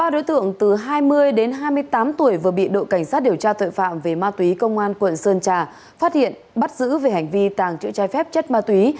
ba đối tượng từ hai mươi đến hai mươi tám tuổi vừa bị đội cảnh sát điều tra tội phạm về ma túy công an quận sơn trà phát hiện bắt giữ về hành vi tàng trữ trái phép chất ma túy